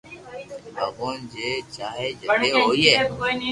ڀگوان جڻي چائي جدي ھوئي